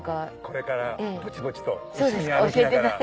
これからぼちぼちと一緒に歩きながら。